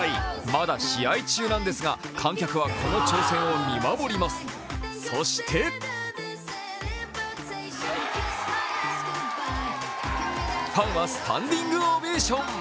まだ試合中なんですが観客はこの挑戦を見守りますそしてファンはスタンディングオベーション。